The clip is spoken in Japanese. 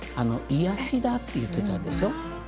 「癒やしだ」って言ってたでしょ。